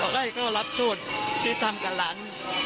บอกให้เขารับโทษที่ทำกับหลาน